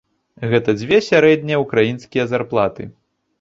Гэта дзве сярэднія ўкраінскія зарплаты.